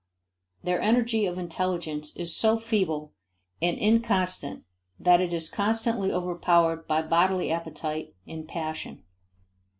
Their energy of intelligence is so feeble and inconstant that it is constantly overpowered by bodily appetite and passion.